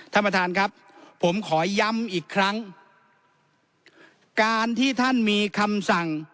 ท่านประธานครับผมขอย้ำอีกครั้งการที่ท่านมีคำสั่ง